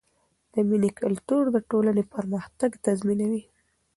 د مینې کلتور د ټولنې پرمختګ تضمینوي.